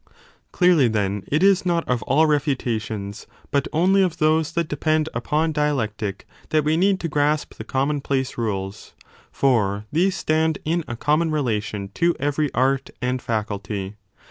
Clearly, then, it is not of all refutations, but only of those 35 that depend upon dialectic that we need to grasp the common place rules : for these stand in a common relation to every art and faculty.